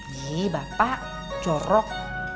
yee bapak corok